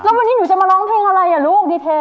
เอิ่มแล้ววันนี้หนูจะมาร้องเพลงอะไรลูกดีเทล